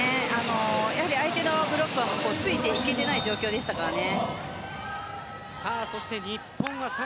相手のブロックがついていけてない状況でしたからね。